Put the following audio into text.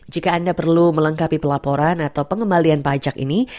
jika anda perlu melengkapi pelaporan atau pengembalian pajak ini